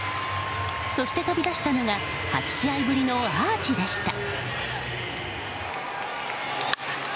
そして飛び出したのが８試合ぶりのアーチでした。